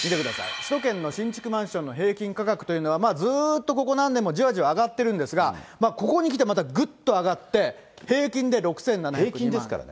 首都圏の新築マンションの平均価格というのは、ずっとここ何年も、じわじわ上がってるんですが、ここにきて、またぐっと上がって、平均で６７０２平均ですからね。